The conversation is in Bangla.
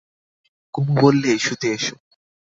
কুমু বললে, শুতে এসো।